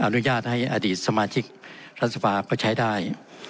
อนุญาตให้อดีตสมาชิกรัฐสภาก็ใช้ได้